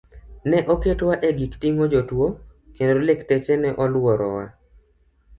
Ne oketwa e gik ting'o jotuo kendo lakteche ne oluorowa.